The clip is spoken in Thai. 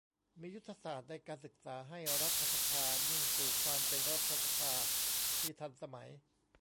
มียุทธศาสตร์ในการศึกษาให้รัฐสภามุ่งสู่ความเป็นรัฐสภาที่ทันสมัย